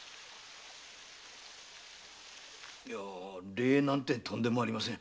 礼なんてとんでもありません。